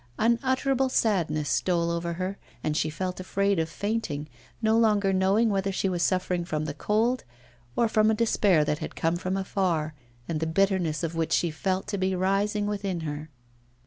Unutterable sadness stole over her, and she felt afraid of fainting, no longer knowing whether she was suffering from the cold or from a despair that had come from afar, and the bitterness of which she felt to be rising within her.